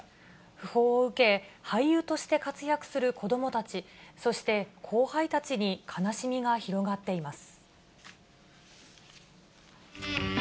訃報を受け、俳優として活躍する子どもたち、そして後輩たちに悲しみが広がっています。